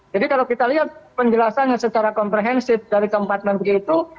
jadi kalau kita lihat penjelasannya secara komprehensif dari keempat menteri itu